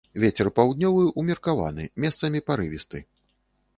Вецер паўднёвы ўмеркаваны, месцамі парывісты.